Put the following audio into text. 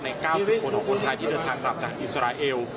๙๐คนของคนไทยที่เดินทางกลับจากอิสราเอล